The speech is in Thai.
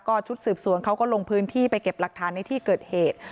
ชุดสืบสวนเขาก็ลงพื้นที่ไปเก็บหลักฐานในที่เกิดเหตุ